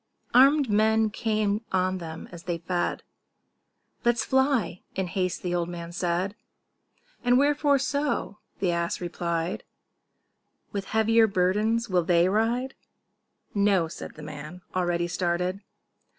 Arm'd men came on them as he fed: "Let's fly," in haste the old man said. "And wherefore so?" the ass replied; "With heavier burdens will they ride?" "No," said the man, already started.